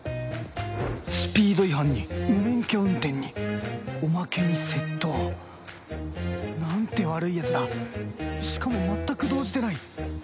スピード違反に無免許運転におまけに窃盗！なんて悪いヤツだしかもまったく動じてない。